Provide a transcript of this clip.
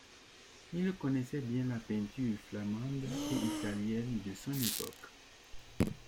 Il connaissait bien la peinture flamande et italienne de son époque.